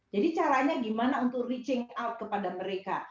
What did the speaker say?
jadi caranya gimana untuk reaching out kepada mereka